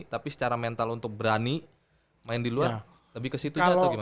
tapi secara mental untuk berani main di luar lebih ke situ aja atau gimana